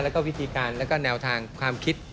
แล้วก็วิธีการแล้วก็แนวทางความคิด